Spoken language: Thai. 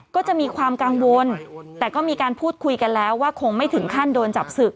ก็จะมีความกังวลแต่ก็มีการพูดคุยกันแล้วว่าคงไม่ถึงขั้นโดนจับศึก